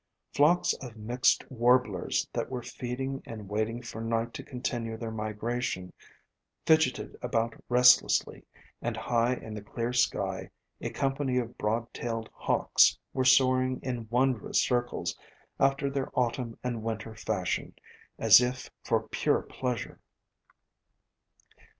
Flocks of mixed warblers that were feeding and waiting for night to continue their migration, fid geted about restlessly, and high in the clear sky a company of broad tailed hawks were soaring in wondrous circles, after their Autumn and Winter fashion, as if for pure pleasure.